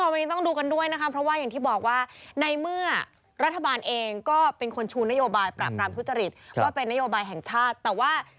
เนี่ยยังงี้นุงตรงนั่งกันอยู่เด็กเคว้งไปเคว้งมากันอยู่